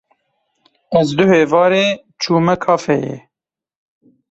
Ez duh êvarê çûme kafeyê.